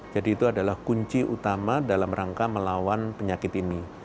jadi itu adalah kunci utama dalam rangka melawan penyakit ini